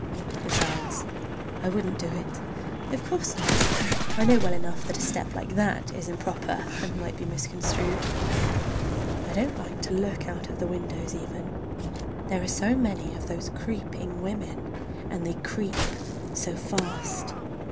Besides I wouldn't do it. Of course not. I know well enough that a step like that is improper and might be misconstrued. I don't like to look out of the windows even—there are so many of those creeping women, and they creep so fast.